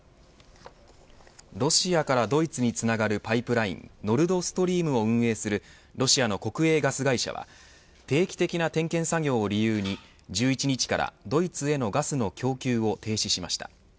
ロシアからドイツにつながるパイプラインノルドストリームを運営するロシアの国営ガス会社は定期的な点検作業を理由に１１日からドイツへのガスの供給を停止しました。